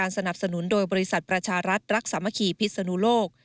สนับสนุนโดยบริษัทประชารัฐรักสามัคคีพิศนุโลก